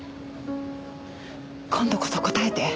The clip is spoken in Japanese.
今度こそ答えて。